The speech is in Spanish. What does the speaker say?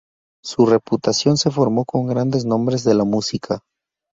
Su reputación se formó con grandes nombres de la música.